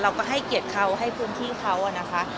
เราก็ให้เกียรติเขาให้พื้นที่เขานะคะ